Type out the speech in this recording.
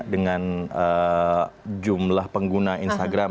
dengan jumlah pengguna instagram